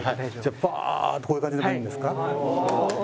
じゃあバーッとこういう感じでもいいんですか？